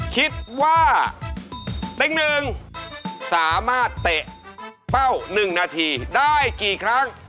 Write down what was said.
คิดว่าเต๊กหนึ่งสามารถเตะเป้า๑นาทีได้กี่ครั้ง